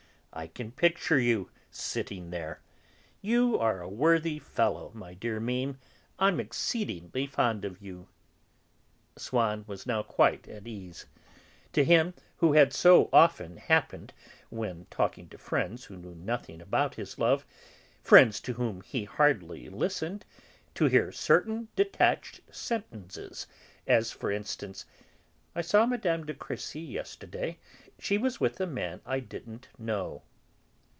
I can picture you, sitting there! You are a worthy fellow, my dear Mémé; I'm exceedingly fond of you." Swann was now quite at ease. To him, who had so often happened, when talking to friends who knew nothing of his love, friends to whom he hardly listened, to hear certain detached sentences (as, for instance, "I saw Mme. de Crécy yesterday; she was with a man I didn't know.")